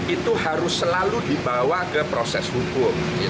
itu harus selalu dibawa ke proses hukum